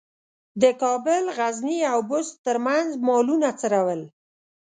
د کابل، غزني او بُست ترمنځ مالونه څرول.